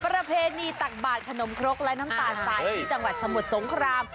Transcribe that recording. ประเพณีตักบาดขนมครกและน้ำตาลสายที่จังหวัดสมุทรสงคราม